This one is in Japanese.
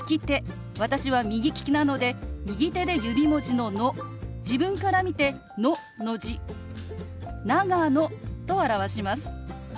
私は右利きなので右手で指文字の「ノ」自分から見て「ノ」の字「長野」と表します。